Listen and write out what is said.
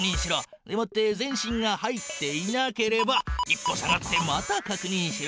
でもって全身が入っていなければ１歩下がってまたかくにんしろ。